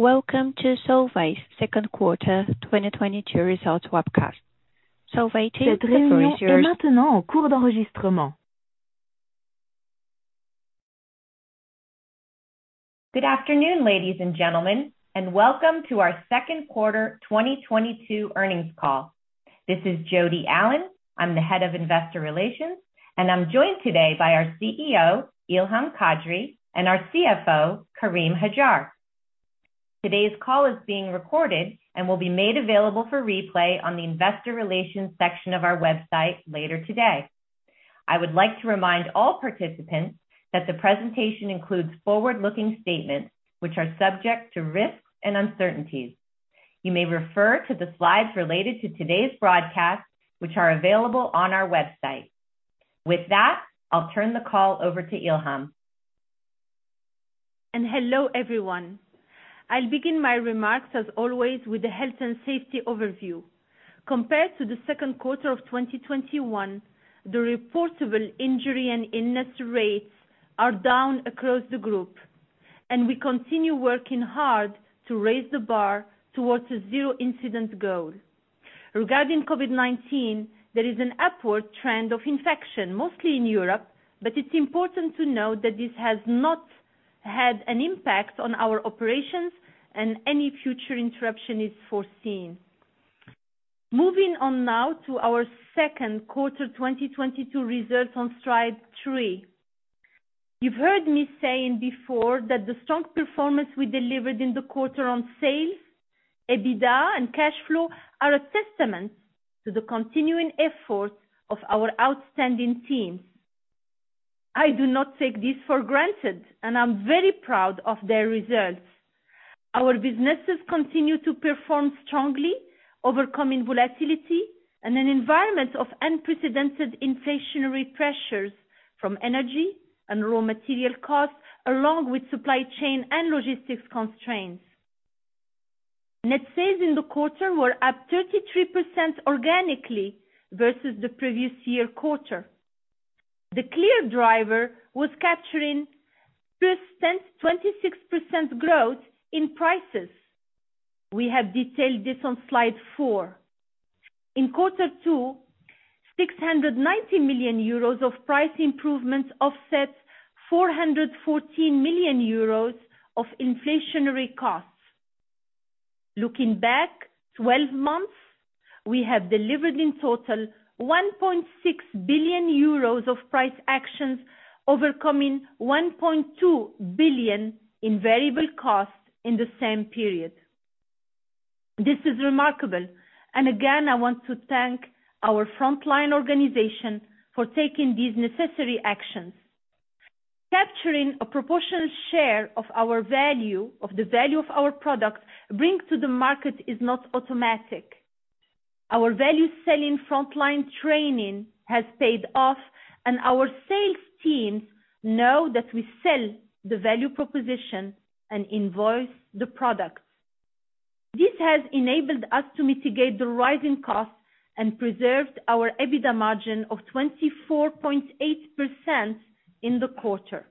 Welcome to Solvay's second quarter 2022 results webcast. Solvay team the floor is yours. Good afternoon, ladies and gentlemen, and welcome to our second quarter 2022 earnings call. This is Jodi Allen. I'm the Head of Investor Relations, and I'm joined today by our CEO, Ilham Kadri, and our CFO, Karim Hajjar. Today's call is being recorded and will be made available for replay on the investor relations section of our website later today. I would like to remind all participants that the presentation includes forward-looking statements, which are subject to risks and uncertainties. You may refer to the slides related to today's broadcast, which are available on our website. With that, I'll turn the call over to Ilham. Hello everyone. I'll begin my remarks as always, with the health and safety overview. Compared to the second quarter of 2021, the reportable injury and illness rates are down across the group, and we continue working hard to raise the bar towards a zero-incident goal. Regarding COVID-19, there is an upward trend of infections, mostly in Europe, but it's important to note that this has not had an impact on our operations and no future interruption is foreseen. Moving on now to our second quarter 2022 results on slide three. You've heard me saying before that the strong performance we delivered in the quarter on sales, EBITDA, and cash flow are a testament to the continuing efforts of our outstanding team. I do not take this for granted, and I'm very proud of their results. Our businesses continue to perform strongly, overcoming volatility in an environment of unprecedented inflationary pressures from energy and raw material costs, along with supply chain and logistics constraints. Net sales in the quarter were up 33% organically versus the previous-year quarter. The clear driver was capturing persistent 26% growth in prices. We have detailed this on slide four. In quarter two, 690 million euros of price improvements offset 414 million euros of inflationary costs. Looking back 12 months, we have delivered in total 1.6 billion euros of price actions, overcoming 1.2 billion in variable costs in the same period. This is remarkable, and again, I want to thank our frontline organization for taking these necessary actions. Capturing a proportional share of the value of our products bring to the market is not automatic. Our value selling frontline training has paid off and our sales teams know that we sell the value proposition and invoice the products. This has enabled us to mitigate the rising costs and preserved our EBITDA margin of 24.8% in the quarter.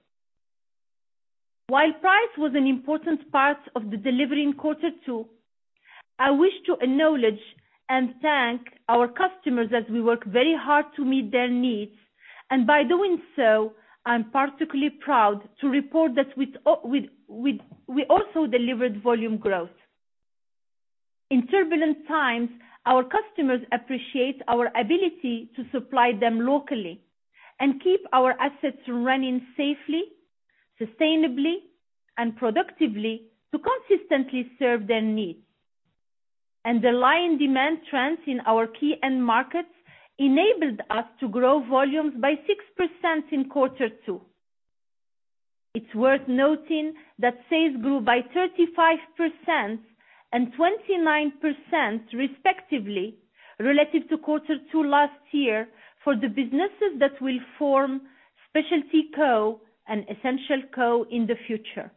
While price was an important part of the delivery in quarter two, I wish to acknowledge and thank our customers as we work very hard to meet their needs. By doing so, I'm particularly proud to report that we also delivered volume growth. In turbulent times, our customers appreciate our ability to supply them locally and keep our assets running safely, sustainably, and productively to consistently serve their needs. Underlying demand trends in our key end markets enabled us to grow volumes by 6% in quarter two. It's worth noting that sales grew by 35% and 29% respectively, relative to quarter two last year for the businesses that will form SpecialtyCo and EssentialCo in the future.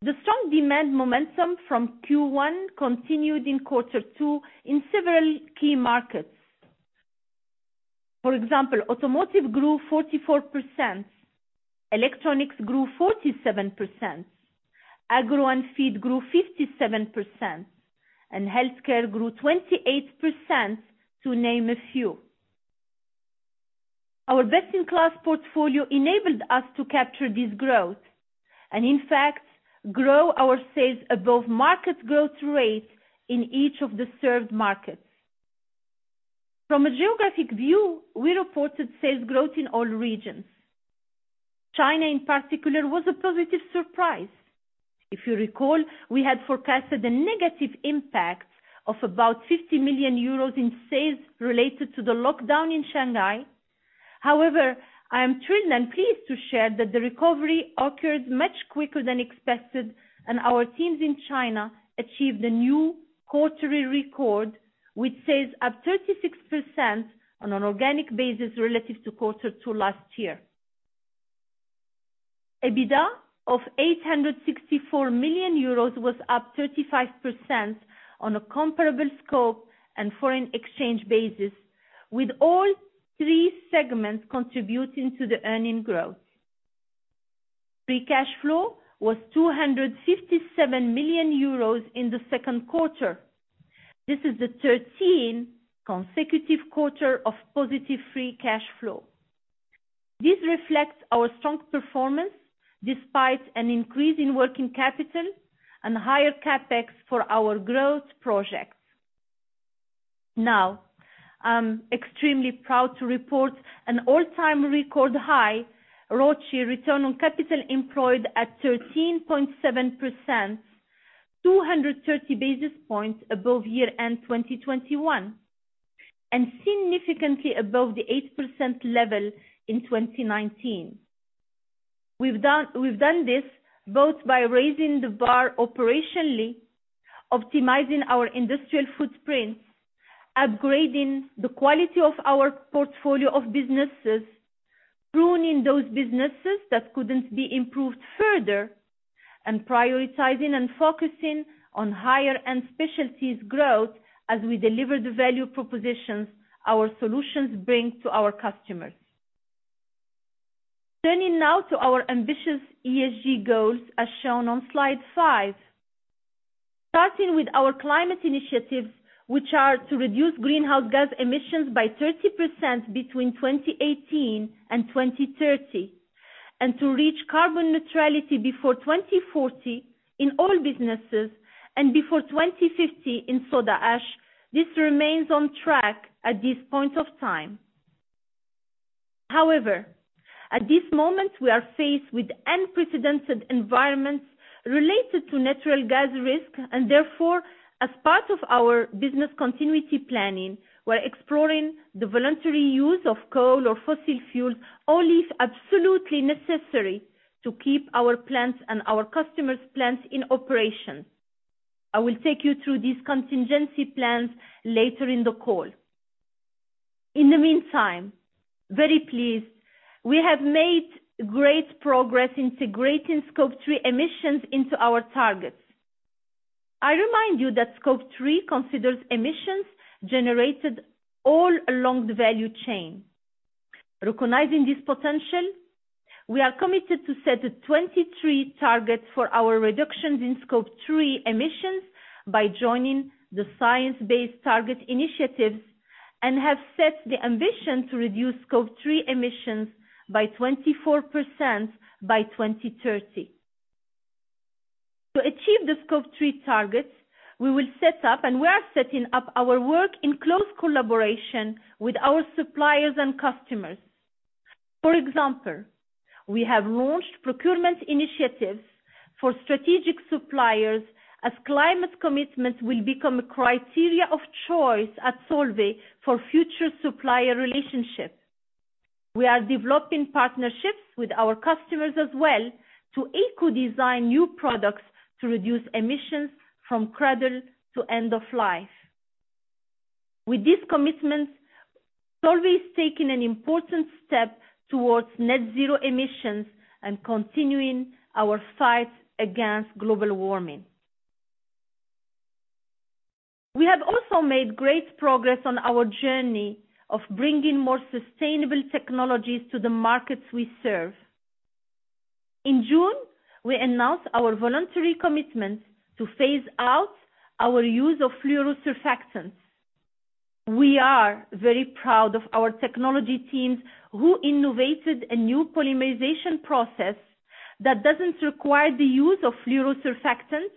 The strong demand momentum from Q1 continued in quarter two in several key markets. For example, automotive grew 44%, electronics grew 47%, agro and feed grew 57%, and healthcare grew 28%, to name a few. Our best-in-class portfolio enabled us to capture this growth and in fact, grow our sales above market growth rate in each of the served markets. From a geographic view, we reported sales growth in all regions. China, in particular, was a positive surprise. If you recall, we had forecasted a negative impact of about 50 million euros in sales related to the lockdown in Shanghai. However, I am thrilled and pleased to share that the recovery occurred much quicker than expected, and our teams in China achieved a new quarterly record with sales up 36% on an organic basis relative to quarter two last year. EBITDA of 864 million euros was up 35% on a comparable scope and foreign exchange basis. With all three segments contributing to the earnings growth. Free cash flow was 257 million euros in the second quarter. This is the 13th consecutive quarter of positive free cash flow. This reflects our strong performance despite an increase in working capital and higher CapEx for our growth projects. Now, I'm extremely proud to report an all-time record high ROCE, return on capital employed at 13.7%, 230 basis points above year-end 2021, and significantly above the 8% level in 2019. We've done this both by raising the bar operationally, optimizing our industrial footprint, upgrading the quality of our portfolio of businesses, pruning those businesses that couldn't be improved further, and prioritizing and focusing on higher-end specialties growth as we deliver the value propositions our solutions bring to our customers. Turning now to our ambitious ESG goals, as shown on slide five. Starting with our climate initiatives, which are to reduce greenhouse gas emissions by 30% between 2018 and 2030, and to reach carbon neutrality before 2040 in all businesses and before 2050 in soda ash. This remains on track at this point of time. However, at this moment, we are faced with unprecedented environments related to natural gas risk and therefore, as part of our business continuity planning, we're exploring the voluntary use of coal or fossil fuel, only if absolutely necessary to keep our plants and our customers' plants in operation. I will take you through these contingency plans later in the call. In the meantime, very pleased we have made great progress integrating Scope 3 emissions into our targets. I remind you that Scope 3 considers emissions generated all along the value chain. Recognizing this potential, we are committed to set a 2023 target for our reductions in Scope 3 emissions by joining the Science Based Targets initiative and have set the ambition to reduce Scope 3 emissions by 24% by 2030. To achieve the Scope 3 targets, we will set up and we are setting up our work in close collaboration with our suppliers and customers. For example, we have launched procurement initiatives for strategic suppliers as climate commitments will become a criterion of choice at Solvay for future supplier relationship. We are developing partnerships with our customers as well to eco-design new products to reduce emissions from cradle to end of life. With these commitments, Solvay is taking an important step towards net zero emissions and continuing our fight against global warming. We have also made great progress on our journey of bringing more sustainable technologies to the markets we serve. In June, we announced our voluntary commitment to phase out our use of fluorosurfactants. We are very proud of our technology teams who innovated a new polymerization process that doesn't require the use of fluorosurfactants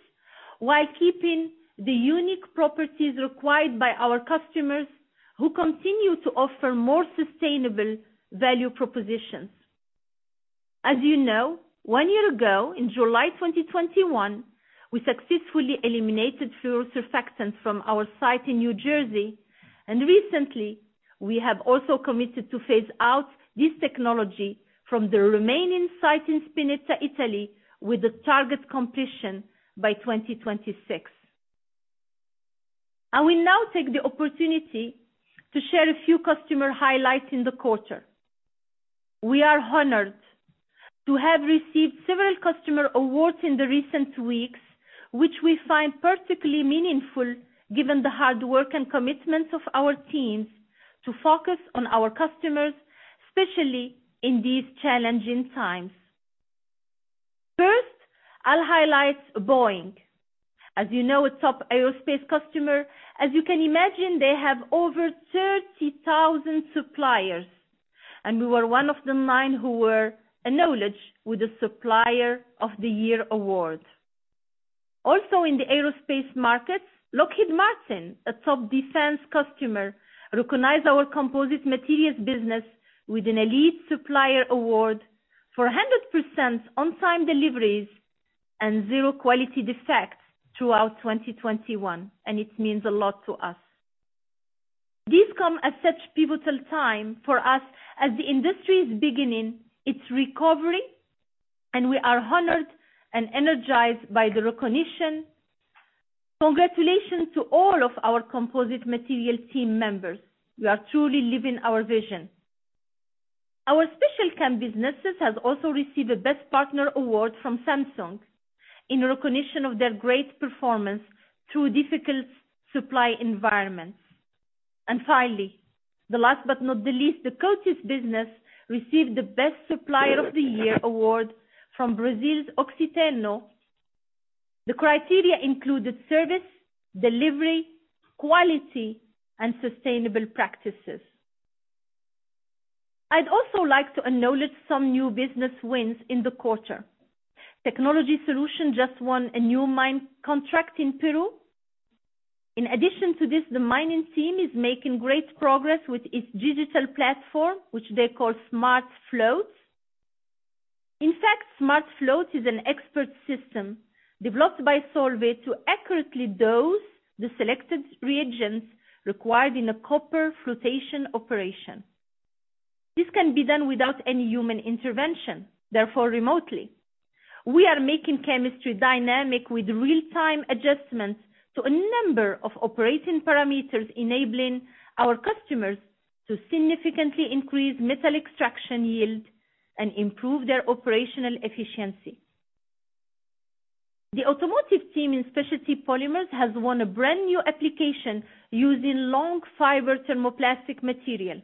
while keeping the unique properties required by our customers, who continue to offer more sustainable value propositions. As you know, one year ago, in July 2021, we successfully eliminated fluorosurfactants from our site in New Jersey, and recently, we have also committed to phase out this technology from the remaining site in Spinetta, Italy, with the target completion by 2026. I will now take the opportunity to share a few customer highlights in the quarter. We are honored to have received several customer awards in the recent weeks, which we find particularly meaningful given the hard work and commitment of our teams to focus on our customers, especially in these challenging times. First, I'll highlight Boeing. As you know, a top aerospace customer. As you can imagine, they have over 30,000 suppliers, and we were one of the nine who were acknowledged with the Supplier of the Year award. Also, in the aerospace markets, Lockheed Martin, a top defense customer, recognized our Composite Materials business with an Elite Supplier award for 100% on-time deliveries and zero quality defects throughout 2021. It means a lot to us. These come at such pivotal time for us as the industry is beginning its recovery, and we are honored and energized by the recognition. Congratulations to all of our Composite Materials team members. We are truly living our vision. Our Special Chem businesses has also received a Best Partner Award from Samsung in recognition of their great performance through difficult supply environments. Finally, the last but not the least, the Coatis business received the Best Supplier of the Year award from Brazil's Oxiteno. The criteria included service, delivery, quality, and sustainable practices. I'd also like to acknowledge some new business wins in the quarter. Technology Solutions just won a new mine contract in Peru. In addition to this, the mining team is making great progress with its digital platform, which they call SmartFloat. In fact, SmartFloat is an expert system developed by Solvay to accurately dose the selected reagents required in a copper flotation operation. This can be done without any human intervention, therefore remotely. We are making chemistry dynamic with real-time adjustments to a number of operating parameters, enabling our customers to significantly increase metal extraction yield and improve their operational efficiency. The automotive team in Specialty Polymers has won a brand-new application using long fiber thermoplastic material,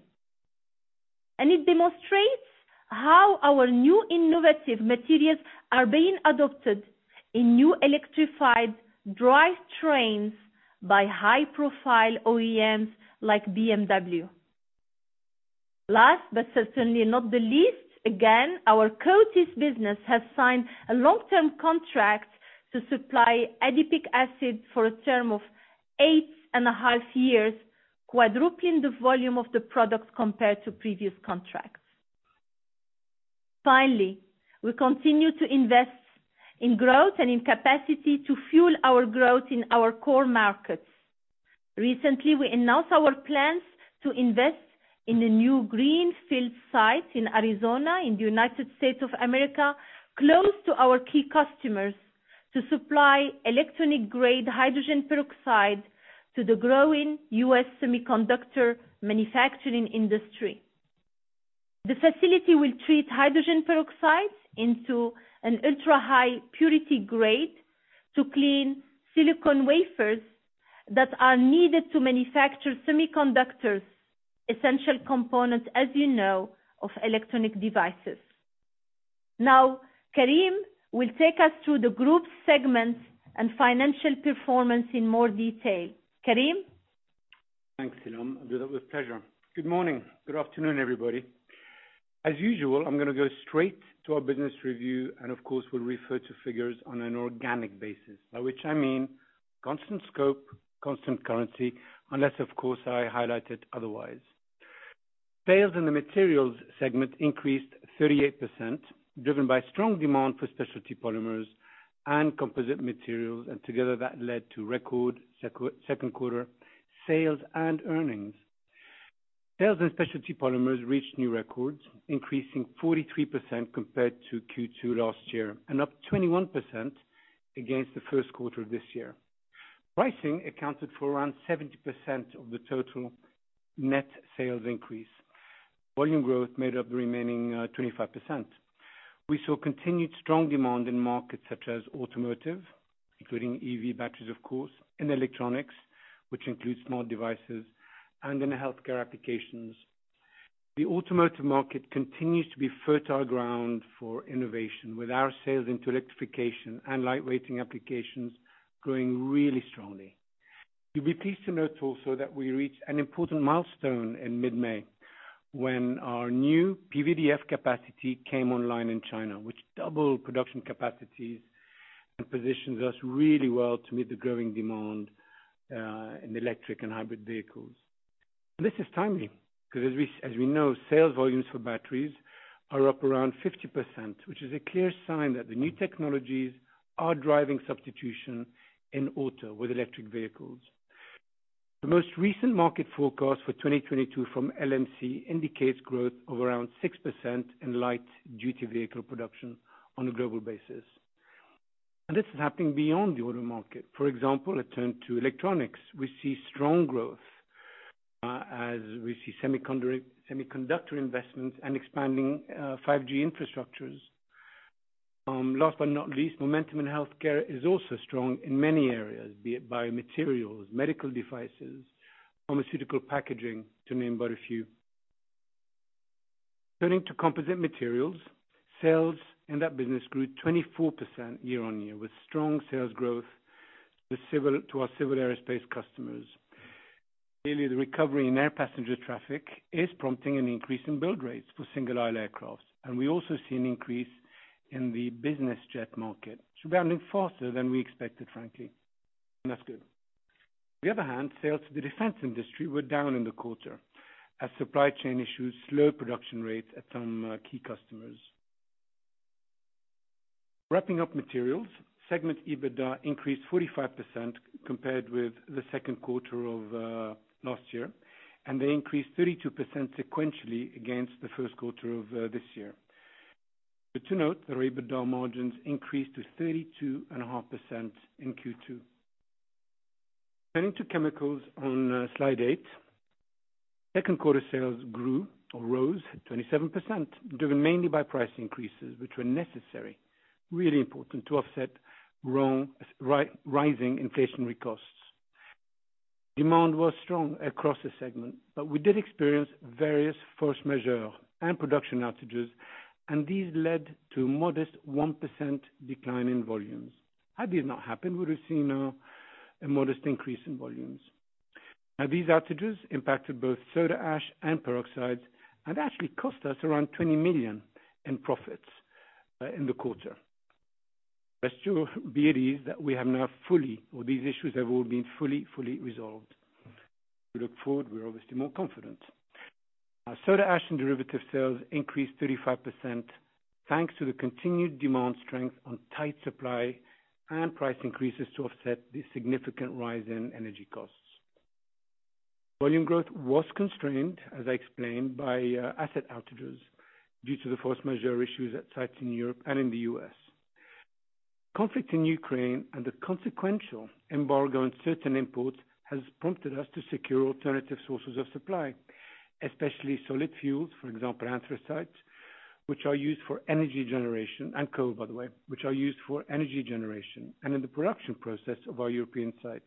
and it demonstrates how our new innovative materials are being adopted in new electrified drive trains by high-profile OEMs like BMW. Last, but certainly not the least, again, our Coatis business has signed a long-term contract to supply adipic acid for a term of eight and a half years, quadrupling the volume of the product compared to previous contracts. Finally, we continue to invest in growth and in capacity to fuel our growth in our core markets. Recently, we announced our plans to invest in a new greenfield site in Arizona, in the United States of America, close to our key customers, to supply electronic-grade hydrogen peroxide to the growing U.S. semiconductor manufacturing industry. The facility will treat hydrogen peroxide into an ultra-high purity grade to clean silicon wafers that are needed to manufacture semiconductors, essential components, as you know, of electronic devices. Now, Karim will take us through the group segments and financial performance in more detail. Karim? Thanks, Ilham Kadri. I'll do that with pleasure. Good morning. Good afternoon, everybody. As usual, I'm gonna go straight to our business review, and of course, we'll refer to figures on an organic basis. By which I mean constant scope, constant currency, unless of course, I highlight it otherwise. Sales in the Materials segment increased 38%, driven by strong demand for Specialty Polymers and Composite Materials, and together that led to record second quarter sales and earnings. Sales in Specialty Polymers reached new records, increasing 43% compared to Q2 last year, and up 21% against the first quarter of this year. Pricing accounted for around 70% of the total net sales increase. Volume growth made up the remaining 25%. We saw continued strong demand in markets such as automotive, including EV batteries of course, and electronics, which includes smart devices and in healthcare applications. The automotive market continues to be fertile ground for innovation, with our sales into electrification and light-weighting applications growing really strongly. You'll be pleased to note also that we reached an important milestone in mid-May when our new PVDF capacity came online in China, which doubled production capacities and positions us really well to meet the growing demand in electric and hybrid vehicles. This is timely, 'cause as we know, sales volumes for batteries are up around 50%, which is a clear sign that the new technologies are driving substitution in auto with electric vehicles. The most recent market forecast for 2022 from LMC indicates growth of around 6% in light-duty vehicle production on a global basis. This is happening beyond the auto market. For example, a turn to electronics. We see strong growth, as we see semiconductor investments and expanding 5G infrastructures. Last but not least, momentum in healthcare is also strong in many areas, be it biomaterials, medical devices, pharmaceutical packaging, to name but a few. Turning to Composite Materials, sales in that business grew 24% year-on-year, with strong sales growth to our civil aerospace customers. Clearly, the recovery in air passenger traffic is prompting an increase in build rates for single-aisle aircrafts. We also see an increase in the business jet market, recovering faster than we expected, frankly. That's good. On the other hand, sales to the defense industry were down in the quarter as supply chain issues slowed production rates at some key customers. Wrapping up Materials, segment EBITDA increased 45% compared with the second quarter of last year, and they increased 32% sequentially against the first quarter of this year. Good to note that EBITDA margins increased to 32.5% in Q2. Turning to Chemicals on slide eight. Second quarter sales grew or rose 27%, driven mainly by price increases, which were necessary, really important to offset rising inflationary costs. Demand was strong across the segment, but we did experience various force majeure and production outages, and these led to modest 1% decline in volumes. Had this not happened, we would have seen a modest increase in volumes. Now these outages impacted both soda ash and peroxides and actually cost us around 20 million in profits in the quarter. Rest assured, these issues have all been fully resolved. We look forward, we're obviously more confident. Our soda ash and derivative sales increased 35% thanks to the continued demand strength on tight supply and price increases to offset the significant rise in energy costs. Volume growth was constrained, as I explained, by asset outages due to the force majeure issues at sites in Europe and in the U.S. Conflict in Ukraine and the consequential embargo on certain imports has prompted us to secure alternative sources of supply, especially solid fuels, for example anthracite, which are used for energy generation, and coal, by the way, which are used for energy generation and in the production process of our European sites.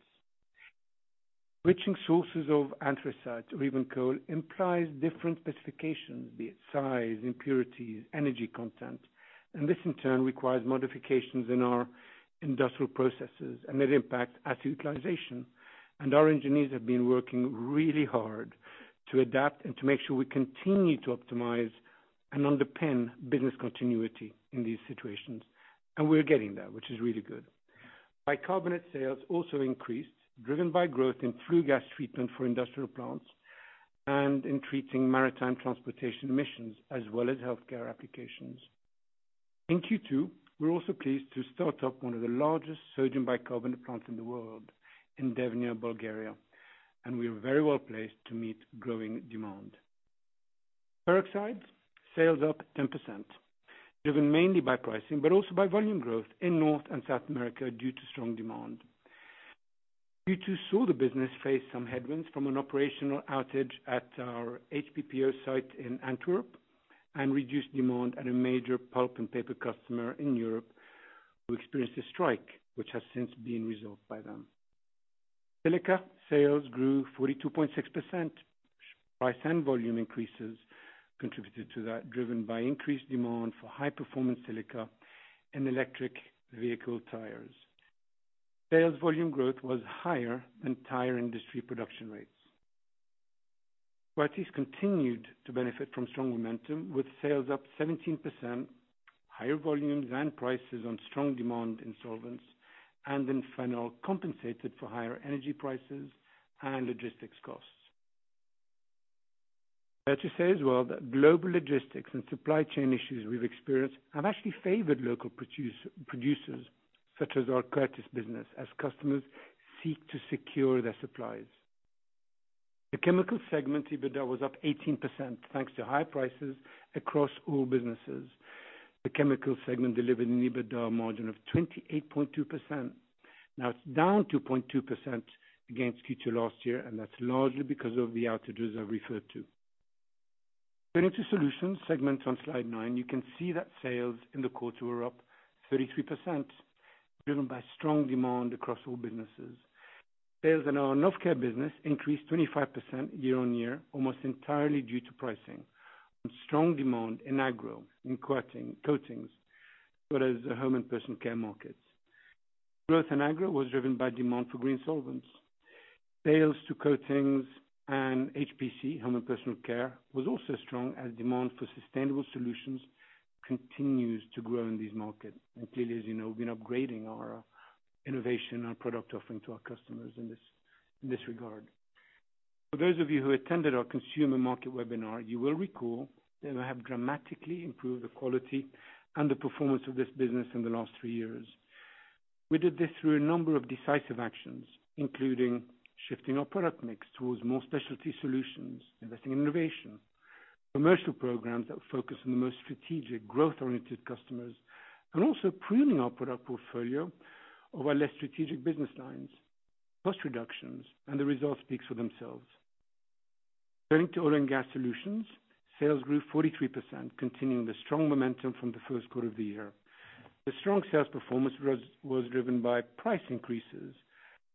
Switching sources of anthracite or even coal implies different specifications, be it size, impurities, energy content, and this in turn requires modifications in our industrial processes and it impacts asset utilization. Our engineers have been working really hard to adapt and to make sure we continue to optimize and underpin business continuity in these situations. We're getting there, which is really good. Our bicarbonate sales also increased, driven by growth in flue gas treatment for industrial plants and in treating maritime transportation emissions as well as healthcare applications. In Q2, we're also pleased to start up one of the largest sodium bicarbonate plants in the world in Devnya, Bulgaria, and we are very well placed to meet growing demand. Peroxides sales up 10%, driven mainly by pricing, but also by volume growth in North and South America due to strong demand. Q2 saw the business face some headwinds from an operational outage at our HPPO site in Antwerp and reduced demand at a major pulp and paper customer in Europe who experienced a strike which has since been resolved by them. Silica sales grew 42.6%. Price and volume increases contributed to that, driven by increased demand for high performance silica in electric vehicle tires. Sales volume growth was higher than tire industry production rates. Coatis continued to benefit from strong momentum with sales up 17%, higher volumes and prices on strong demand in solvents and in phenol compensated for higher energy prices and logistics costs. Fair to say as well that global logistics and supply chain issues we've experienced have actually favored local producers such as our Coatis business as customers seek to secure their supplies. The Chemical segment, EBITDA, was up 18% thanks to high prices across all businesses. The Chemical segment delivered an EBITDA margin of 28.2%. Now it's down 2.2% against Q2 last year, and that's largely because of the outages I referred to. Turning to solutions segment on slide nine, you can see that sales in the quarter were up 33%, driven by strong demand across all businesses. Sales in our Novecare business increased 25% year-over-year, almost entirely due to pricing and strong demand in agro, in coatings, as well as the home and personal care markets. Growth in agro was driven by demand for green solvents. Sales to coatings and HPC, home and personal care, was also strong as demand for sustainable solutions continues to grow in these markets. Clearly, as you know, we've been upgrading our innovation, our product offering to our customers in this regard. For those of you who attended our consumer market webinar, you will recall that I have dramatically improved the quality and the performance of this business in the last three years. We did this through a number of decisive actions, including shifting our product mix towards more specialty solutions, investing in innovation, commercial programs that focus on the most strategic growth-oriented customers, and also pruning our product portfolio of our less strategic business lines, cost reductions, and the results speak for themselves. Turning to Oil and Gas Solutions, sales grew 43%, continuing the strong momentum from the first quarter of the year. The strong sales performance was driven by price increases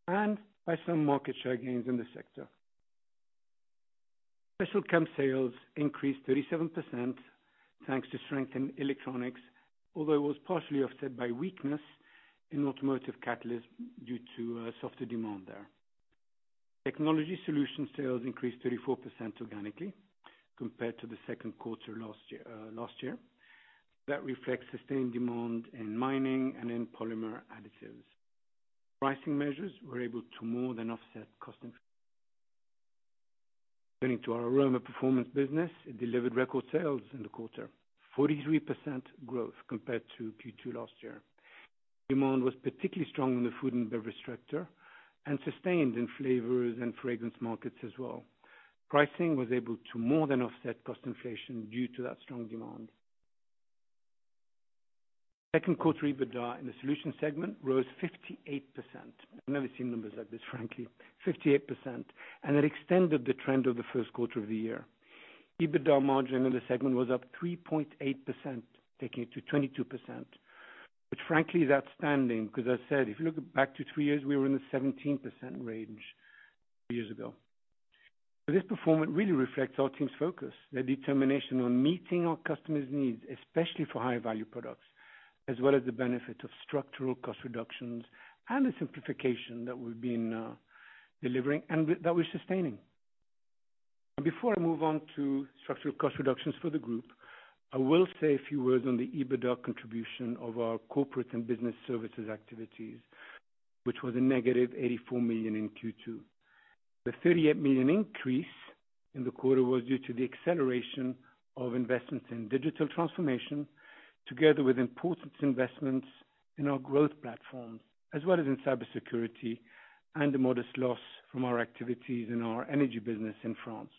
and by some market share gains in the sector. Special Chem sales increased 37% thanks to strength in electronics, although it was partially offset by weakness in automotive catalysts due to softer demand there. Technology Solutions sales increased 34% organically compared to the second quarter last year. That reflects sustained demand in mining and in polymer additives. Pricing measures were able to more than offset cost increase. Turning to our Aroma Performance business, it delivered record sales in the quarter. 43% growth compared to Q2 last year. Demand was particularly strong in the food and beverage sector and sustained in flavors and fragrance markets as well. Pricing was able to more than offset cost inflation due to that strong demand. Second quarter EBITDA in the Solutions segment rose 58%. I've never seen numbers like this, frankly. 58%, and it extended the trend of the first quarter of the year. EBITDA margin in the segment was up 3.8%, taking it to 22%. Which frankly is outstanding, 'cause as I said, if you look back to three years, we were in the 17% range two years ago. This performance really reflects our team's focus, their determination on meeting our customers' needs, especially for high value products, as well as the benefit of structural cost reductions and the simplification that we've been delivering and that we're sustaining. Before I move on to structural cost reductions for the group, I will say a few words on the EBITDA contribution of our corporate and business services activities, which was a -84 million in Q2. The 38 million increase in the quarter was due to the acceleration of investments in digital transformation together with important investments in our growth platforms, as well as in cybersecurity and a modest loss from our activities in our energy business in France.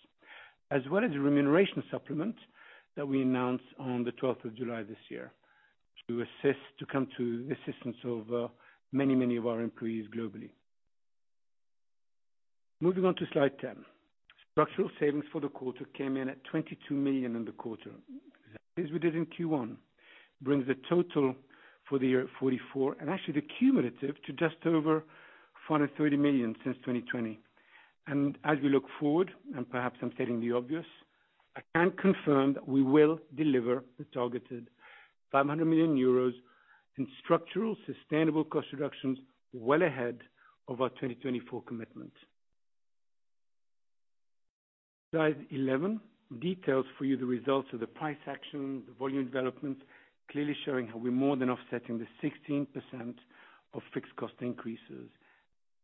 A remuneration supplement that we announced on the 12th of July this year to come to the assistance of many, many of our employees globally. Moving on to slide 10. Structural savings for the quarter came in at 22 million in the quarter. As we did in Q1, brings the total for the year at 44 million, and actually the cumulative to just over 430 million since 2020. As we look forward, and perhaps I'm stating the obvious, I can confirm that we will deliver the targeted 500 million euros in structural sustainable cost reductions well ahead of our 2024 commitment. Slide 11 details for you the results of the price action, the volume development, clearly showing how we're more than offsetting the 16% of fixed cost increases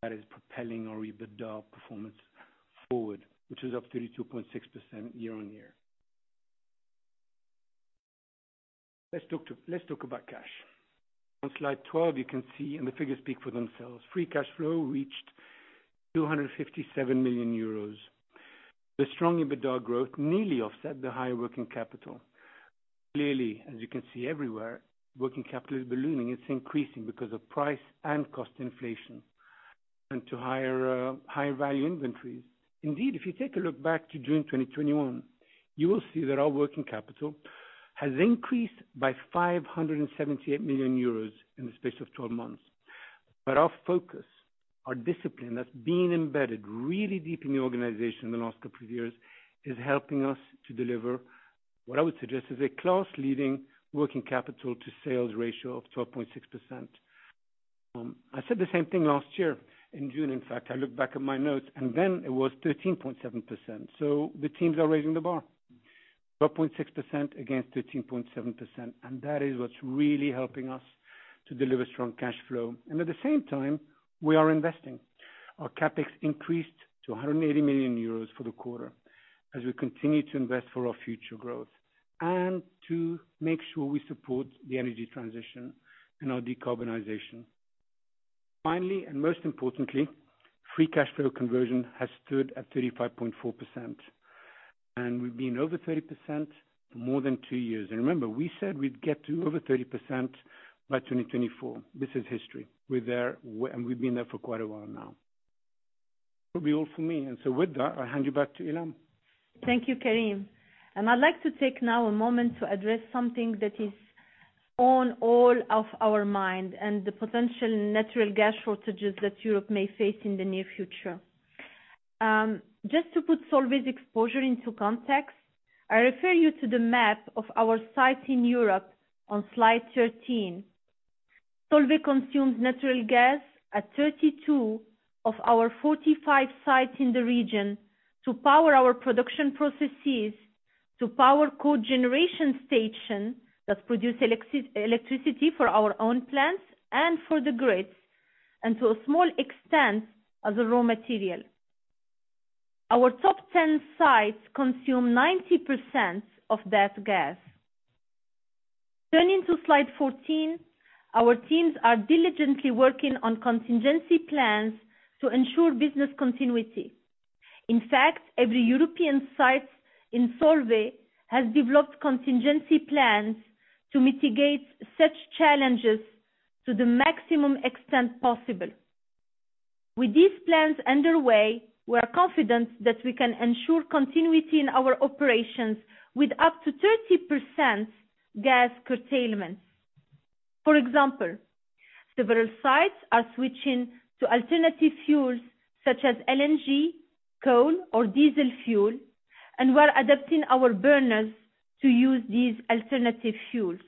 that is propelling our EBITDA performance forward, which is up 32.6% year-on-year. Let's talk about cash. On slide 12, you can see, and the figures speak for themselves. Free cash flow reached 257 million euros. The strong EBITDA growth nearly offset the high working capital. Clearly, as you can see everywhere, working capital is ballooning. It's increasing because of price and cost inflation, and due to higher high-value inventories. Indeed, if you take a look back to June 2021, you will see that our working capital has increased by 578 million euros in the space of 12 months. Our focus, our discipline that's been embedded really deep in the organization in the last couple of years, is helping us to deliver what I would suggest is a class leading working capital to sales ratio of 12.6%. I said the same thing last year in June. In fact, I looked back at my notes and then it was 13.7%. The teams are raising the bar. 12.6% against 13.7%, and that is what's really helping us to deliver strong cash flow. At the same time, we are investing. Our CapEx increased to 180 million euros for the quarter as we continue to invest for our future growth and to make sure we support the energy transition and our decarbonization. Finally, and most importantly, free cash flow conversion has stood at 35.4%, and we've been over 30% for more than two years. Remember, we said we'd get to over 30% by 2024. This is history. We're there and we've been there for quite a while now. That'll be all for me. With that, I'll hand you back to Ilham Kadri. Thank you, Karim. I'd like to take now a moment to address something that is on all of our mind and the potential natural gas shortages that Europe may face in the near future. Just to put Solvay's exposure into context, I refer you to the map of our sites in Europe on slide 13. Solvay consumes natural gas at 32 of our 45 sites in the region to power our production processes, to power cogeneration station that produce electricity for our own plants and for the grids, and to a small extent, as a raw material. Our top 10 sites consume 90% of that gas. Turning to slide 14, our teams are diligently working on contingency plans to ensure business continuity. In fact, every European site in Solvay has developed contingency plans to mitigate such challenges to the maximum extent possible. With these plans underway, we are confident that we can ensure continuity in our operations with up to 30% gas curtailment. For example, several sites are switching to alternative fuels such as LNG, coal, or diesel fuel, and we're adapting our burners to use these alternative fuels.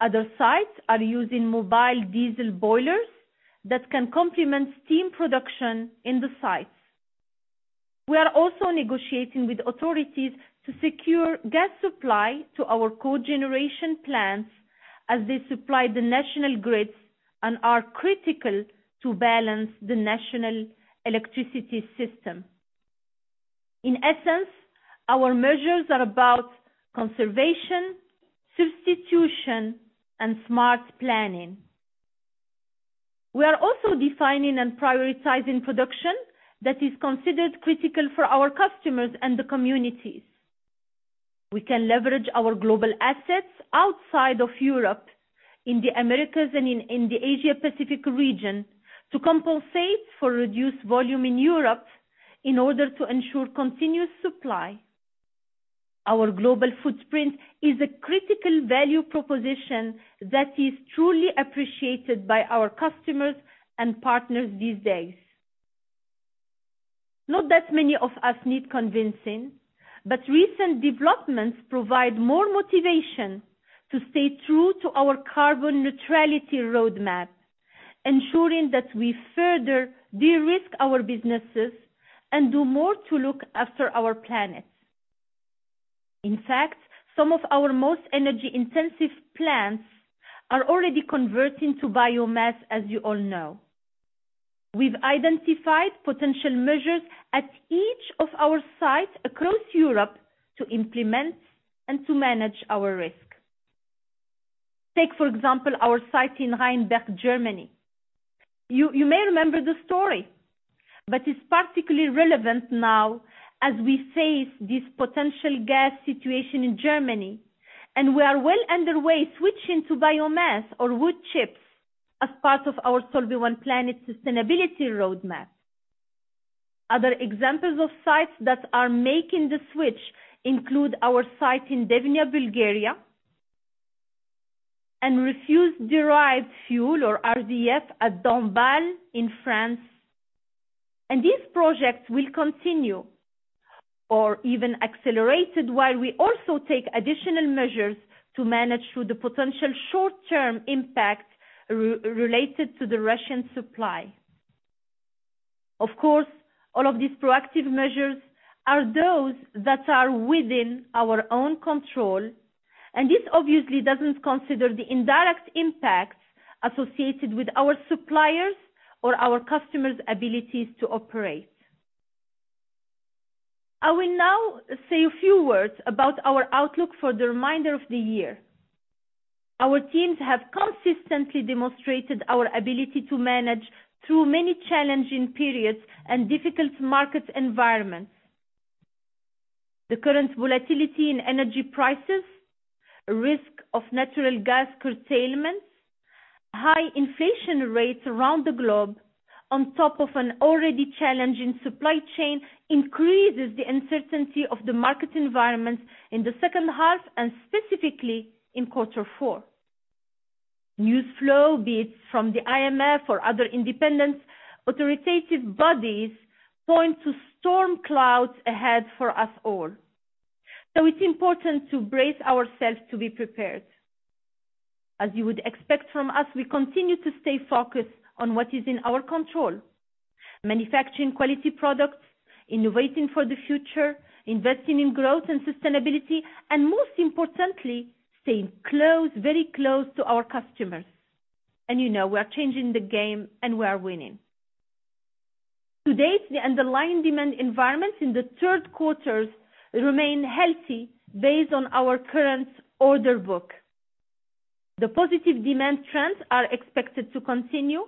Other sites are using mobile diesel boilers that can complement steam production in the sites. We are also negotiating with authorities to secure gas supply to our cogeneration plants as they supply the national grids and are critical to balance the national electricity system. In essence, our measures are about conservation, substitution, and smart planning. We are also designing and prioritizing production that is considered critical for our customers and the communities. We can leverage our global assets outside of Europe, in the Americas and in the Asia Pacific region to compensate for reduced volume in Europe in order to ensure continuous supply. Our global footprint is a critical value proposition that is truly appreciated by our customers and partners these days. Not that many of us need convincing, but recent developments provide more motivation to stay true to our carbon neutrality roadmap, ensuring that we further de-risk our businesses and do more to look after our planet. In fact, some of our most energy-intensive plants are already converting to biomass, as you all know. We've identified potential measures at each of our sites across Europe to implement and to manage our risk. Take, for example, our site in Rheinberg, Germany. You may remember the story, but it's particularly relevant now as we face this potential gas situation in Germany, and we are well underway switching to biomass or wood chips as part of our Solvay One Planet sustainability roadmap. Other examples of sites that are making the switch include our site in Devnya, Bulgaria, and refuse-derived fuel or RDF at Dombasle-sur-Meurthe in France. These projects will continue or even accelerated while we also take additional measures to manage through the potential short-term impact re-related to the Russian supply. Of course, all of these proactive measures are those that are within our own control, and this obviously doesn't consider the indirect impacts associated with our suppliers or our customers' abilities to operate. I will now say a few words about our outlook for the remainder of the year. Our teams have consistently demonstrated our ability to manage through many challenging periods and difficult market environments. The current volatility in energy prices, risk of natural gas curtailments, high inflation rates around the globe on top of an already challenging supply chain, increases the uncertainty of the market environment in the second half and specifically in quarter four. News flow, be it from the IMF or other independent authoritative bodies, point to storm clouds ahead for us all. It's important to brace ourselves to be prepared. As you would expect from us, we continue to stay focused on what is in our control. Manufacturing quality products, innovating for the future, investing in growth and sustainability, and most importantly, staying close, very close to our customers. You know, we are changing the game and we are winning. To date, the underlying demand environment in the third quarter remains healthy based on our current order book. The positive demand trends are expected to continue,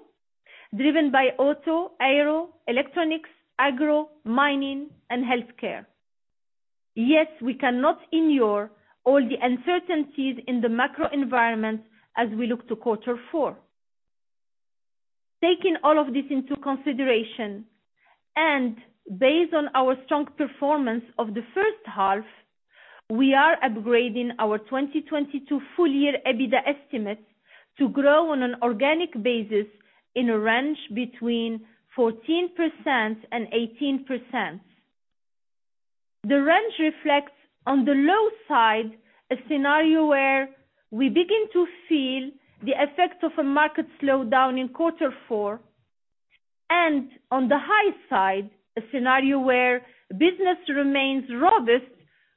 driven by auto, aero, electronics, agro, mining, and healthcare. Yes, we cannot ignore all the uncertainties in the macro environment as we look to quarter four. Taking all of this into consideration and based on our strong performance of the first half, we are upgrading our 2022 full year EBITDA estimates to grow on an organic basis in a range between 14% and 18%. The range reflects on the low side, a scenario where we begin to feel the effects of a market slowdown in quarter four. On the high side, a scenario where business remains robust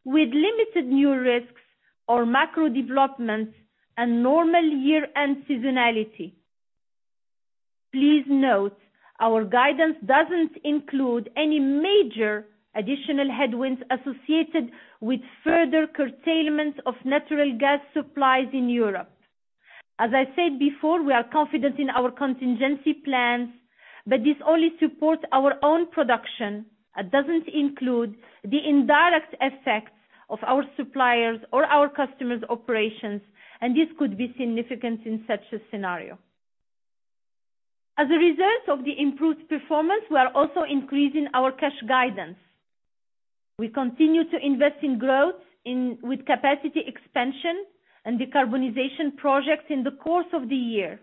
with limited new risks or macro developments and normal year-end seasonality. Please note our guidance doesn't include any major additional headwinds associated with further curtailment of natural gas supplies in Europe. As I said before, we are confident in our contingency plans, but this only supports our own production. It doesn't include the indirect effects of our suppliers or our customers' operations, and this could be significant in such a scenario. As a result of the improved performance, we are also increasing our cash guidance. We continue to invest in growth with capacity expansion and decarbonization projects in the course of the year.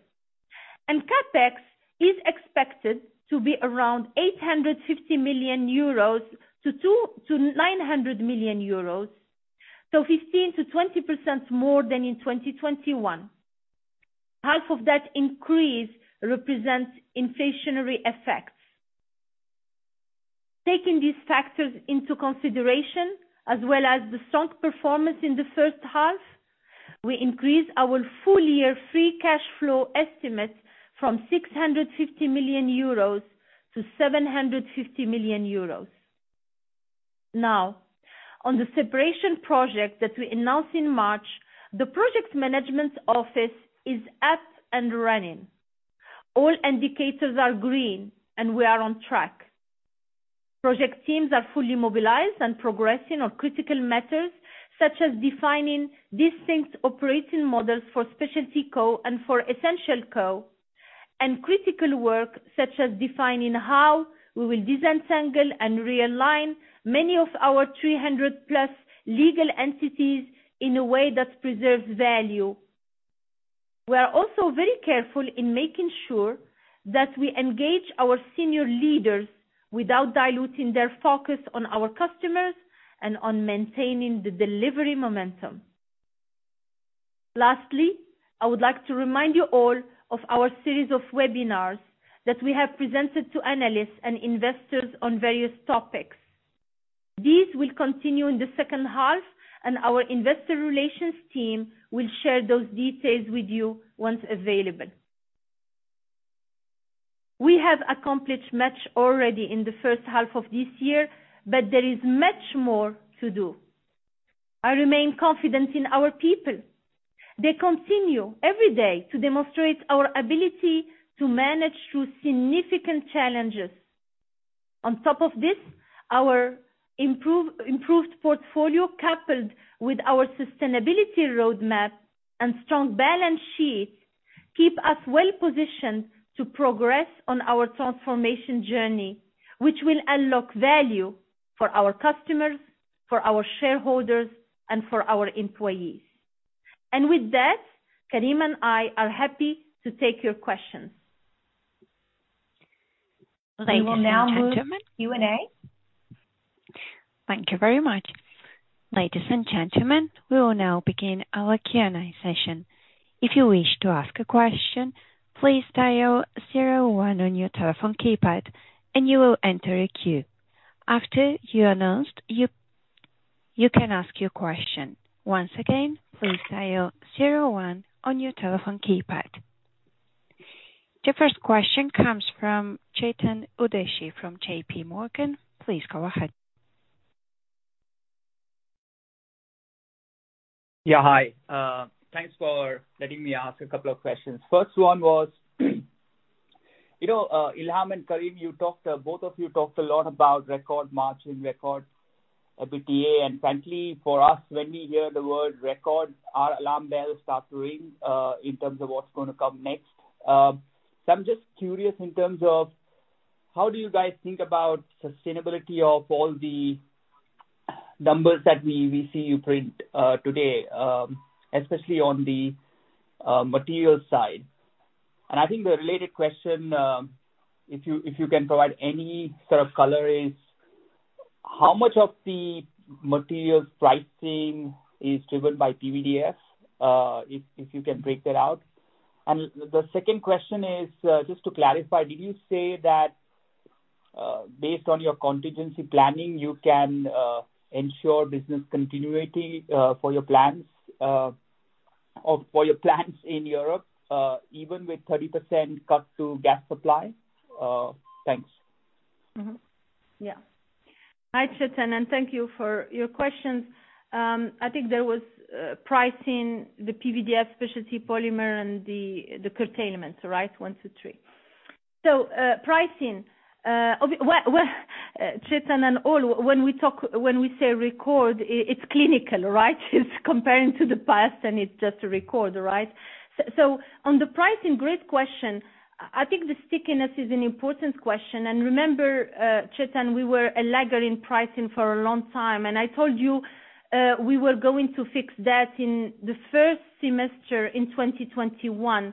CapEx is expected to be around 850 million-900 million euros, so 15%-20% more than in 2021. Half of that increase represents inflationary effects. Taking these factors into consideration as well as the strong performance in the first half, we increase our full year free cash flow estimate from 650 million euros to 750 million euros. Now, on the separation project that we announced in March, the project management office is up and running. All indicators are green, and we are on track. Project teams are fully mobilized and progressing on critical matters, such as defining distinct operating models for SpecialtyCo and for EssentialCo and critical work such as defining how we will disentangle and realign many of our 300+ legal entities in a way that preserves value. We are also very careful in making sure that we engage our senior leaders without diluting their focus on our customers and on maintaining the delivery momentum. Lastly, I would like to remind you all of our series of webinars that we have presented to analysts and investors on various topics. These will continue in the second half, and our investor relations team will share those details with you once available. We have accomplished much already in the first half of this year, but there is much more to do. I remain confident in our people. They continue every day to demonstrate our ability to manage through significant challenges. On top of this, our improved portfolio, coupled with our sustainability roadmap and strong balance sheet, keep us well positioned to progress on our transformation journey, which will unlock value for our customers, for our shareholders, and for our employees. With that, Karim and I are happy to take your questions. We will now move to Q&A. Thank you very much. Ladies and gentlemen, we will now begin our Q&A session. If you wish to ask a question, please dial zero one on your telephone keypad, and you will enter a queue. After you are announced, you can ask your question. Once again, please dial zero one on your telephone keypad. The first question comes from Chetan Udeshi from JPMorgan. Please go ahead. Yeah, hi. Thanks for letting me ask a couple of questions. First one was you know, Ilham and Karim, you talked, both of you talked a lot about record margin, record EBITDA. Frankly, for us, when we hear the word record, our alarm bells start to ring, in terms of what's gonna come next. So I'm just curious in terms of how do you guys think about sustainability of all the numbers that we see you print, today, especially on the Materials side. I think the related question, if you can provide any sort of color is, how much of the Materials pricing is driven by PVDF, if you can break that out. The second question is, just to clarify, did you say that, based on your contingency planning, you can ensure business continuity for your plans or for your plants in Europe, even with 30% cut to gas supply? Thanks. Yeah. Hi, Chetan, and thank you for your questions. I think there was pricing the PVDF Specialty Polymer and the Curtailment, right? One, two, three. Pricing. Chetan and all, when we talk, when we say record, it's clinical, right? It's comparing to the past, and it's just a record, right? On the pricing, great question. I think the stickiness is an important question. Remember, Chetan, we were a lagger in pricing for a long time, and I told you we were going to fix that in the first semester in 2021,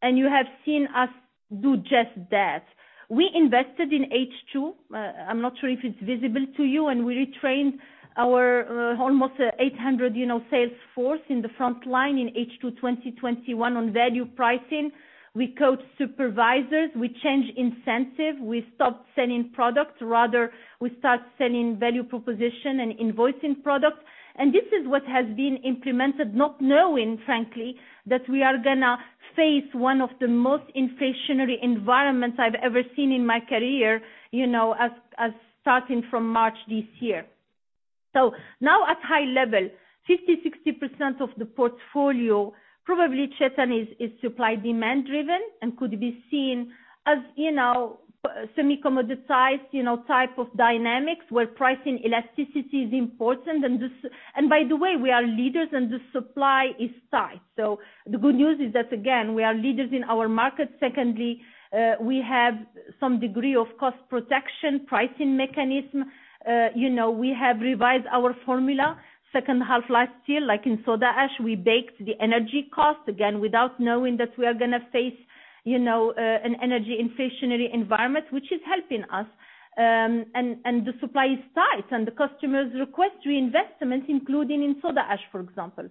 and you have seen us do just that. We invested in H2. I'm not sure if it's visible to you, and we retrained our almost 800, you know, sales force in the front line in H2 2021 on value pricing. We coach supervisors, we change incentive, we stop selling products. Rather, we start selling value proposition and invoicing products. This is what has been implemented, not knowing, frankly, that we are gonna face one of the most inflationary environments I've ever seen in my career, you know, as starting from March this year. Now at high level, 50%-60% of the portfolio, probably Chetan, is supply-demand driven and could be seen as, you know, semi-commoditized, you know, type of dynamics, where pricing elasticity is important. By the way, we are leaders, and the supply is tight. The good news is that, again, we are leaders in our market. Secondly, we have some degree of cost protection pricing mechanism. You know, we have revised our formula second half last year, like in soda ash. We baked the energy cost, again, without knowing that we are gonna face, you know, an energy inflationary environment, which is helping us. The supply is tight. The customers request reinvestments, including in soda ash, for example.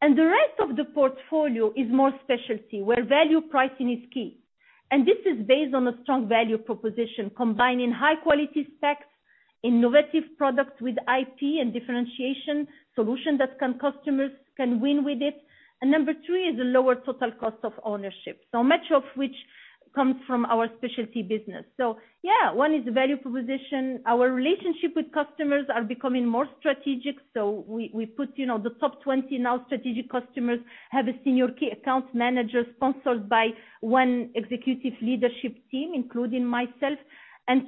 The rest of the portfolio is more specialty, where value pricing is key. This is based on a strong value proposition, combining high-quality specs, innovative products with IP and differentiation solution that customers can win with it. Number three is a lower total cost of ownership. Much of which comes from our specialty business. Yeah, one is value proposition. Our relationship with customers are becoming more strategic. We put, you know, the top 20 now strategic customers have a senior key accounts manager sponsored by one executive leadership team, including myself.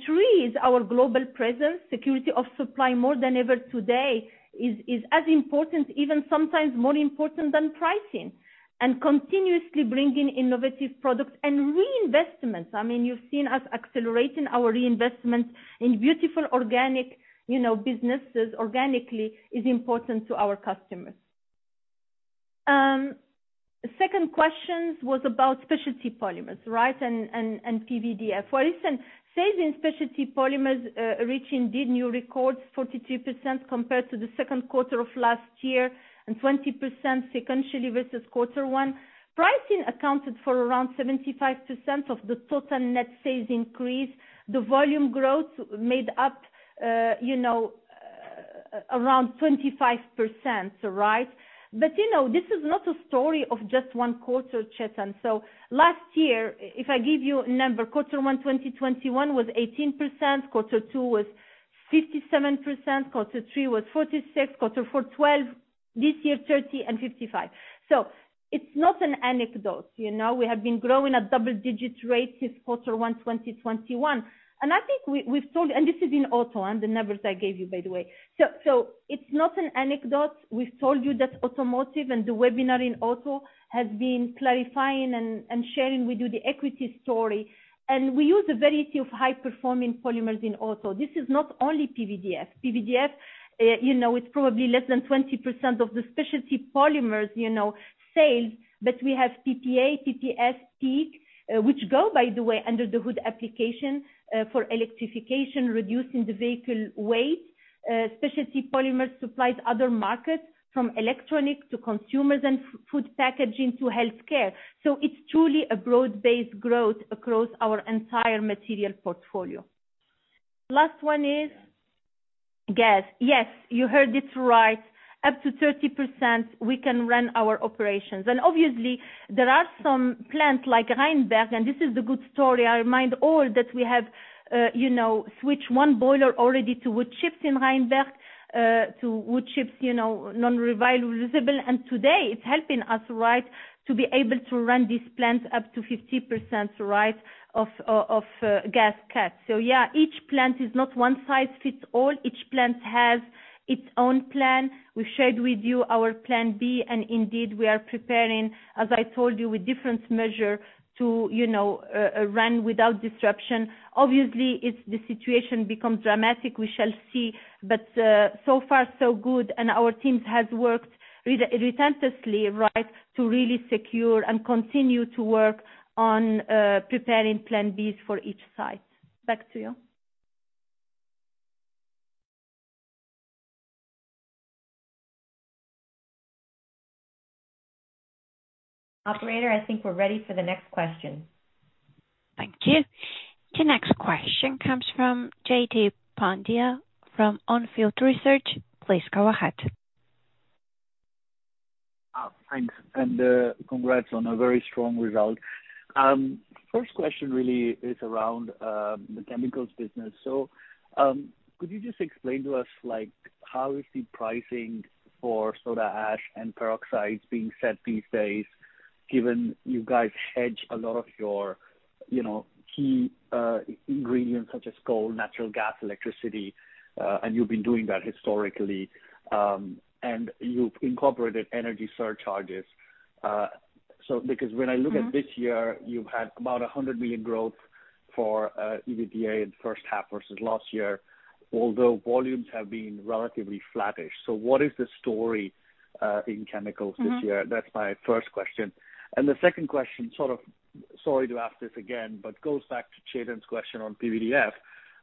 Three is our global presence. Security of supply more than ever today is as important, even sometimes more important than pricing. Continuously bringing innovative products and reinvestments. I mean, you've seen us accelerating our reinvestments in beautiful organic, you know, businesses organically is important to our customers. Second question was about Specialty Polymers, right? And PVDF. Well, listen, sales in Specialty Polymers reaching new records 42% compared to the second quarter of last year and 20% sequentially versus quarter one. Pricing accounted for around 75% of the total net sales increase. The volume growth made up, you know, around 25%, right? You know, this is not a story of just one quarter, Chetan. Last year, if I give you a number, quarter one 2021 was 18%, quarter two was 57%, quarter three was 46%, quarter four 12%, this year 30% and 55%. It's not an anecdote. You know, we have been growing at double-digit rate since quarter one 2021. I think we've told. This is in auto, and the numbers I gave you, by the way. It's not an anecdote. We've told you that automotive and the webinar in auto has been clarifying and sharing with you the equity story. We use a variety of high performing polymers in auto. This is not only PVDF. PVDF, you know, it's probably less than 20% of the Specialty Polymers, you know, sales, but we have PPA, PPS, PEEK, which go, by the way, under the hood application, for electrification, reducing the vehicle weight. Specialty Polymers supplies other markets, from electronics to consumers and food packaging to healthcare. It's truly a broad-based growth across our entire material portfolio. Last one is gas. Yes, you heard it right, up to 30% we can run our operations. Obviously there are some plants like Rheinberg, and this is the good story. I remind all that we have, you know, switched one boiler already to wood chips in Rheinberg, to wood chips, you know, non-renewable, reusable. Today it's helping us, right, to be able to run this plant up to 50%, right, of gas cuts. Yeah, each plant is not one size fits all. Each plant has its own plan. We shared with you our plan B, and indeed, we are preparing, as I told you, with different measure to, you know, run without disruption. Obviously, if the situation becomes dramatic, we shall see. So far so good, and our teams has worked relentlessly, right, to really secure and continue to work on preparing plan Bs for each site. Back to you. Operator, I think we're ready for the next question. Thank you. The next question comes from Jaideep Pandya from On Field Research. Please go ahead. Thanks and congrats on a very strong result. First question really is around the Chemicals business. Could you just explain to us, like, how is the pricing for soda ash and peroxides being set these days, given you guys hedge a lot of your, you know, key ingredients such as coal, natural gas, electricity, and you've been doing that historically, and you've incorporated energy surcharges. Because when I look at this year, you've had about 100 million growth for EBITDA in the first half versus last year, although volumes have been relatively flattish. What is the story in Chemicals this year? That's my first question. The second question, sort of sorry to ask this again, but goes back to Chetan's question on PVDF,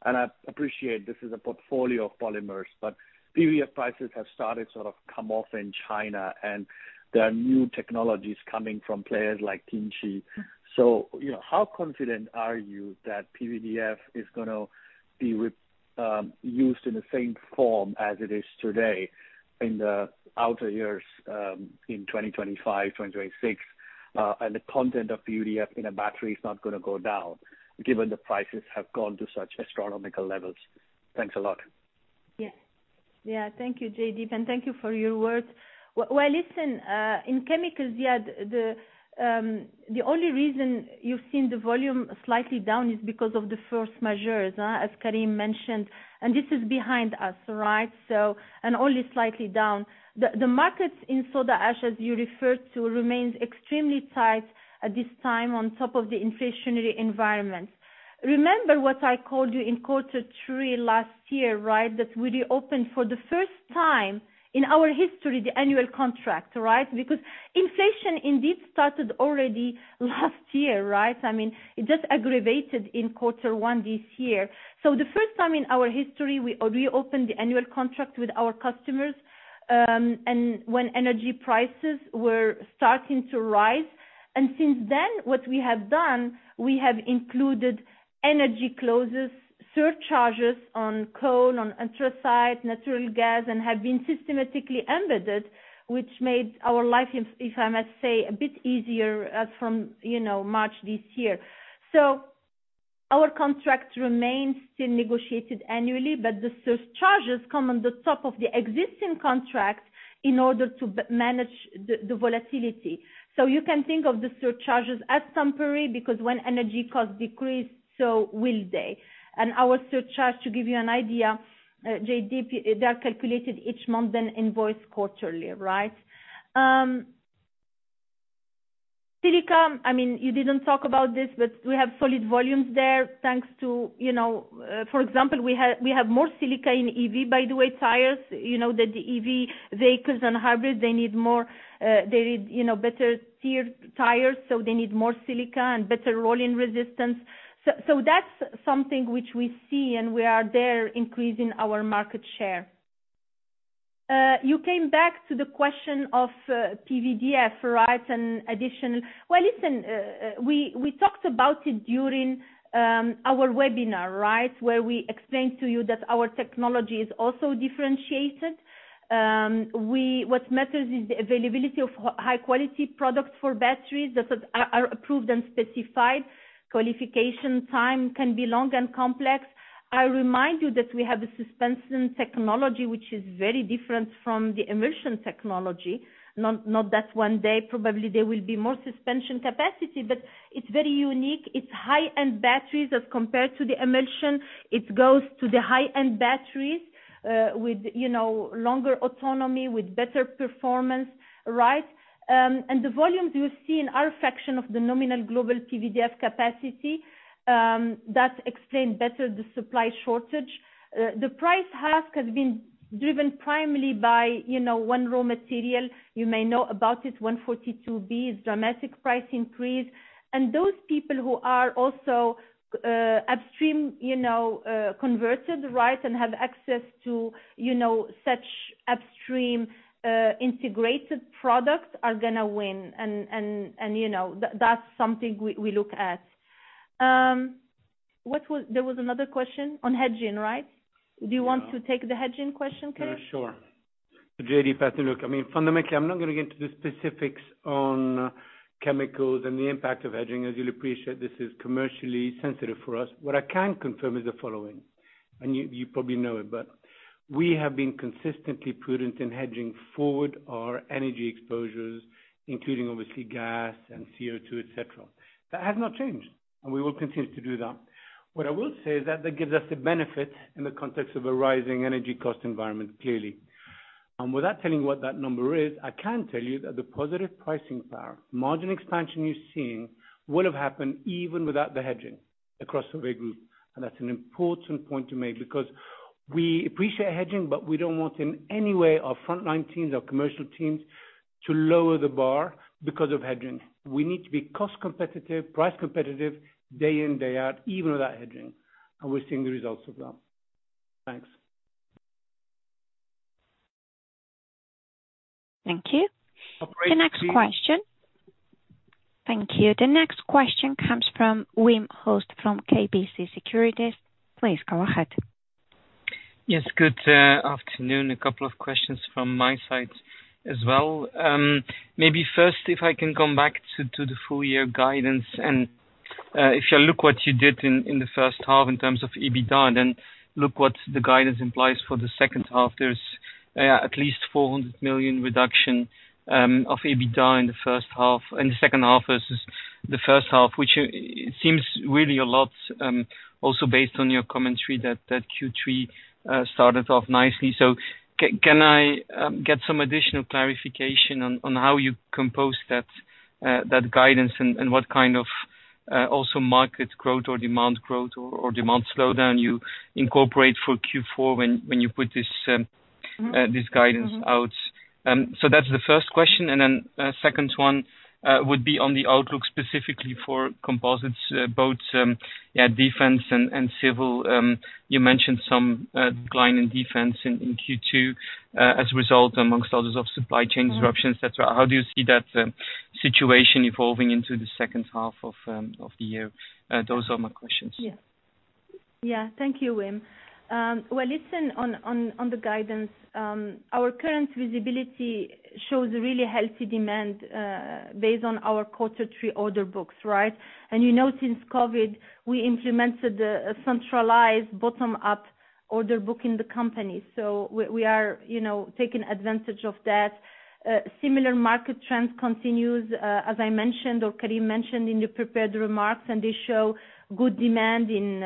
and I appreciate this is a portfolio of polymers, but PVDF prices have started sort of come off in China, and there are new technologies coming from players like Tinci. So, you know, how confident are you that PVDF is gonna be used in the same form as it is today in the outer years, in 2025, 2026, and the content of PVDF in a battery is not gonna go down given the prices have gone to such astronomical levels? Thanks a lot. Yeah. Thank you, Jaideep, and thank you for your words. Well, listen, in Chemicals, the only reason you've seen the volume slightly down is because of the first measures, as Karim mentioned, and this is behind us, right? And only slightly down. The markets in soda ash, as you referred to, remains extremely tight at this time on top of the inflationary environment. Remember what I called you in quarter three last year, right? That we reopened for the first time in our history the annual contract, right? Because inflation indeed started already last year, right? I mean, it just aggravated in quarter one this year. The first time in our history we reopened the annual contract with our customers, and when energy prices were starting to rise. Since then what we have done, we have included energy clauses, surcharges on coal, on anthracite, natural gas, and have been systematically embedded, which made our life, I must say, a bit easier as from March this year. Our contract remains still negotiated annually, but the surcharges come on the top of the existing contract in order to manage the volatility. You can think of the surcharges as temporary, because when energy costs decrease, so will they. Our surcharge, to give you an idea, Jaideep, they are calculated each month, then invoiced quarterly, right? Silica, I mean, you didn't talk about this, but we have solid volumes there thanks to... For example, we have more silica in EV, by the way, tires. You know that the EV vehicles and hybrids, they need more, they need, you know, better tires, so they need more silica and better rolling resistance. So that's something which we see and we are there increasing our market share. You came back to the question of PVDF, right? And additional. Well, listen, we talked about it during our webinar, right? Where we explained to you that our technology is also differentiated. What matters is the availability of high quality products for batteries that are approved and specified. Qualification time can be long and complex. I remind you that we have a suspension technology which is very different from the emulsion technology. Not that one day probably there will be more suspension capacity, but it's very unique. It's high-end batteries as compared to the emulsion. It goes to the high-end batteries with you know longer autonomy with better performance, right? The volumes you see in our fraction of the nominal global PVDF capacity that explain better the supply shortage. The price hike has been driven primarily by you know one raw material. You may know about it, R-142b's dramatic price increase. Those people who are also upstream you know converted right and have access to you know such upstream integrated products are gonna win. You know that's something we look at. There was another question on hedging, right? Yeah. Do you want to take the hedging question, Karim? Yeah, sure. Jaideep Pandya, look, I mean, fundamentally, I'm not gonna get into the specifics on Chemicals and the impact of hedging. As you'll appreciate, this is commercially sensitive for us. What I can confirm is the following, and you probably know it, but we have been consistently prudent in hedging forward our energy exposures, including obviously gas and CO2, et cetera. That has not changed, and we will continue to do that. What I will say is that that gives us a benefit in the context of a rising energy cost environment, clearly. Without telling you what that number is, I can tell you that the positive pricing power, margin expansion you're seeing would have happened even without the hedging across the Solvay Group. That's an important point to make because we appreciate hedging, but we don't want in any way our frontline teams, our commercial teams, to lower the bar because of hedging. We need to be cost competitive, price competitive day in, day out, even without hedging. We're seeing the results of that. Thanks. Thank you. Operator, please. The next question. Thank you. The next question comes from Wim Hoste from KBC Securities. Please go ahead. Yes, good afternoon. A couple of questions from my side as well. Maybe first, if I can come back to the full year guidance and if you look what you did in the first half in terms of EBITDA, then look what the guidance implies for the second half. There's at least 400 million reduction of EBITDA in the second half versus the first half, which it seems really a lot, also based on your commentary that Q3 started off nicely. Can I get some additional clarification on how you compose that guidance and what kind of also market growth or demand growth or demand slowdown you incorporate for Q4 when you put this guidance out? That's the first question. Then, second one would be on the outlook specifically for composites, both defense and civil. You mentioned some decline in defense in Q2, as a result, among others, of supply chain disruptions. Mm-hmm. Et cetera. How do you see that situation evolving into the second half of the year? Those are my questions. Thank you, Wim. On the guidance, our current visibility shows really healthy demand based on our quarter three order books, right? You know, since COVID, we implemented a centralized bottom-up order book in the company. We are taking advantage of that. Similar market trends continue, as I mentioned or Karim mentioned in the prepared remarks, and they show good demand in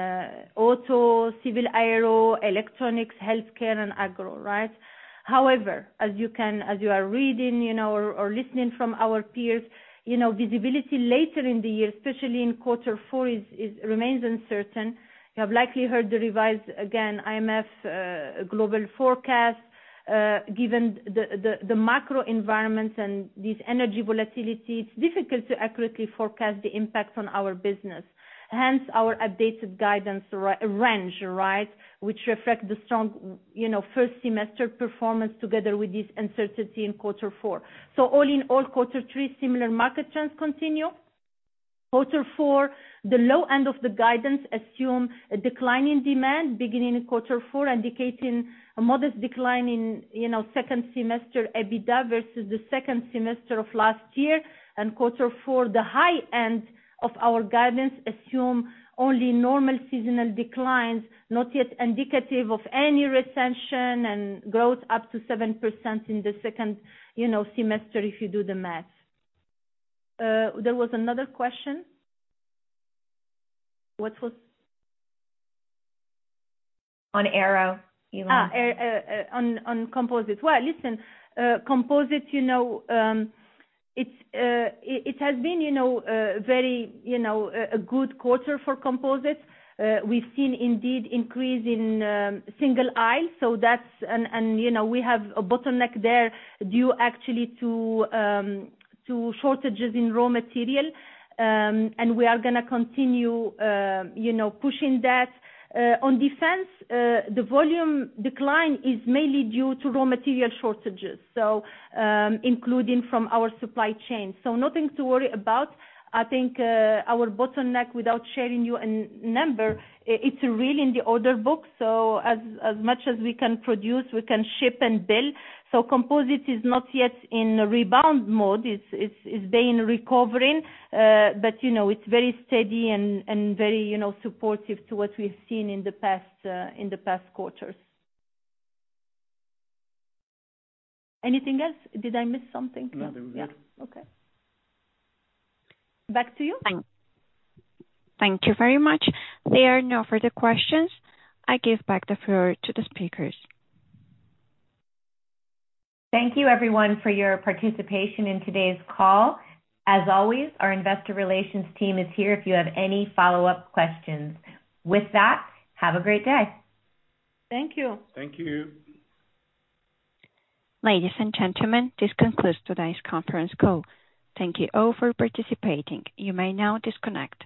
auto, civil aero, electronics, healthcare, and agro, right? However, as you are reading or listening to our peers, you know, visibility later in the year, especially in quarter four, remains uncertain. You have likely heard the again revised IMF global forecast. Given the macro environments and this energy volatility, it's difficult to accurately forecast the impact on our business, hence our updated guidance range, right? Which reflect the strong, you know, first semester performance together with this uncertainty in quarter four. All in all, quarter three, similar market trends continue. Quarter four, the low end of the guidance assume a decline in demand beginning in quarter four, indicating a modest decline in, you know, second semester EBITDA versus the second semester of last year. Quarter four, the high end of our guidance assume only normal seasonal declines, not yet indicative of any recession and growth up to 7% in the second, you know, semester if you do the math. There was another question. What was? On aero. On composites. Well, listen, composites, you know, it has been, you know, very, you know, a good quarter for composites. We've seen an increase in single-aisle. So that's, and you know, we have a bottleneck there due actually to shortages in raw material. And we are gonna continue, you know, pushing that. On defense, the volume decline is mainly due to raw material shortages, so including from our supply chain. So nothing to worry about. I think our bottleneck, without sharing with you a number, it's really in the order book. So as much as we can produce, we can ship and bill. So composites is not yet in rebound mode. It's been recovering, but you know, it's very steady and very, you know, supportive to what we've seen in the past quarters. Anything else? Did I miss something? No. Yeah. Okay. Back to you. Thank you very much. There are no further questions. I give back the floor to the speakers. Thank you, everyone, for your participation in today's call. As always, our investor relations team is here if you have any follow-up questions. With that, have a great day. Thank you. Thank you. Ladies and gentlemen, this concludes today's conference call. Thank you all for participating. You may now disconnect.